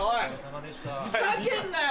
ふざけんなよ！